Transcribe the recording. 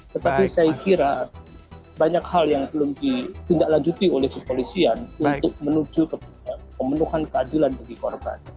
tetapi saya kira banyak hal yang belum ditindaklanjuti oleh kepolisian untuk menuju ke pemenuhan keadilan bagi korban